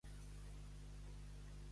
Santa Elena gloriosa, trobadora de la creu.